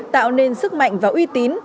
tạo nên sức mạnh và uy tín